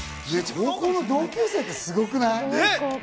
高校の同級生ってすごくない？